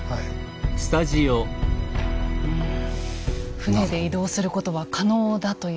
船で移動することは可能だというふうに。